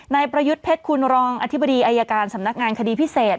ประยุทธ์เพชรคุณรองอธิบดีอายการสำนักงานคดีพิเศษ